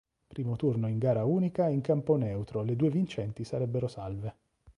Primo turno in gara unica in campo neutro le due vincenti sarebbero salve.